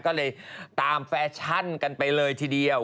ก็เลยตามแฟชั่นกันไปเลยทีเดียว